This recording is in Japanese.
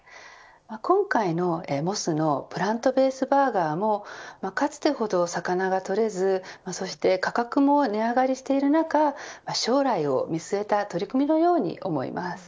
今回のモスのプラントベースバーガーもかつてほど魚がとれずそして価格も値上がりしている中将来を見据えた取り組みのように思います。